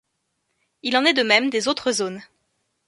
Il en est de même des autres zones.